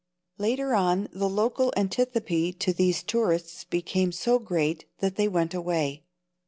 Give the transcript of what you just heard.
Later on the local antipathy to these tourists became so great that they went away.